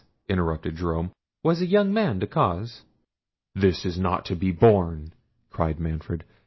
interrupted Jerome; "was a young man the cause?" "This is not to be borne!" cried Manfred.